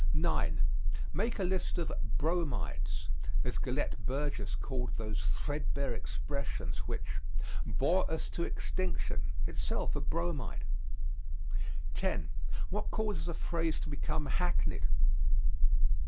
9. Make a list of "Bromides," as Gellett Burgess calls those threadbare expressions which "bore us to extinction" itself a Bromide. 10. What causes a phrase to become hackneyed?